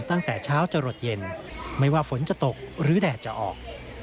ตั้งแต่เช้าจะหลดเย็นไม่ว่าฝนจะตกหรือแดดจะออก